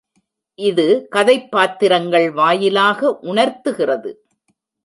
இது கதைப் பாத்திரங்கள் வாயிலாக உணர்த்துகிறது.